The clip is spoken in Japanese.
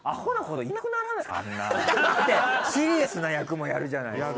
だってシリアスな役もやるじゃないですか。